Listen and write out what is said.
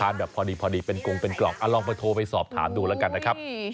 แบบพอดีเป็นกงเป็นกล่องลองไปโทรไปสอบถามดูแล้วกันนะครับ